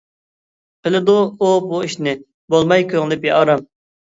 قىلىدۇ ئۇ بۇ ئىشنى، بولماي كۆڭلى بىئارام.